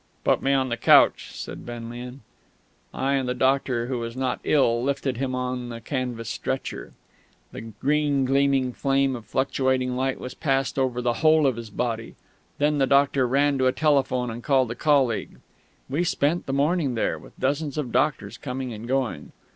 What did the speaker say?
"Put me on the couch," said Benlian. I and the doctor who was not ill lifted him on the canvas stretcher. The green gleaming frame of fluctuating light was passed over the whole of his body. Then the doctor ran to a telephone and called a colleague.... We spent the morning there, with dozens of doctors coming and going.